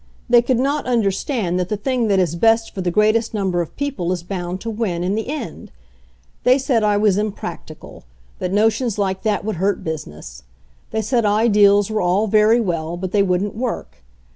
They could not understand that the CLINGING TO A PRINCIPLE 121 thing that is best for the greatest number of peo ple is boynd to win in the end. They said I was impractical, that notions like that would hurt business. They said ideals "were all very well, but they wouldn't work.